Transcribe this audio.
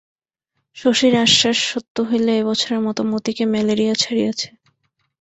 শশীর আশ্বাস সত্য হইলে এ বছরের মতো মতিকে ম্যালেরিয়া ছাড়িয়াছে।